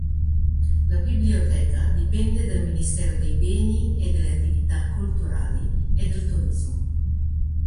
La Biblioteca dipende dal Ministero dei beni e delle attività culturali e del turismo.